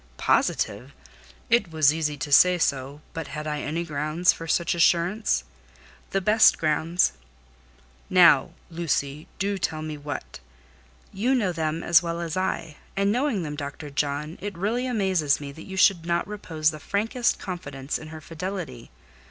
"Positive! It was easy to say so, but had I any grounds for such assurance?" "The best grounds." "Now, Lucy, do tell me what!" "You know them as well as I; and, knowing them, Dr. John, it really amazes me that you should not repose the frankest confidence in her fidelity.